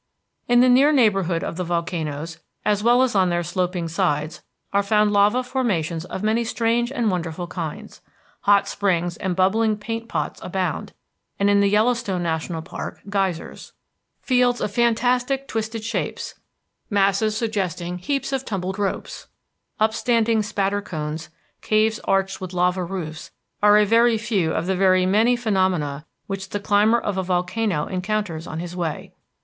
In the near neighborhood of the volcanoes, as well as on their sloping sides, are found lava formations of many strange and wonderful kinds. Hot springs and bubbling paint pots abound; and in the Yellowstone National Park, geysers. Fields of fantastic, twisted shapes, masses suggesting heaps of tumbled ropes, upstanding spatter cones, caves arched with lava roofs, are a very few of the very many phenomena which the climber of a volcano encounters on his way.